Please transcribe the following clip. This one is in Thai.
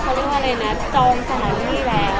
เขาเรียกว่าเลยนะจอมสถานที่นี่แล้ว